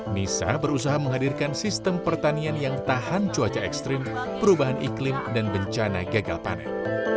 nisa berusaha menghadirkan sistem pertanian yang tahan cuaca ekstrim perubahan iklim dan bencana gagal panen